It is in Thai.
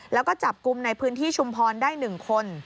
แล้วก็จับกลุ่มในพื้นที่ชุมพรได้๑คน